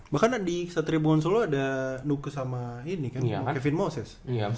bahkan di tribun solo ada nuku sama kevin moses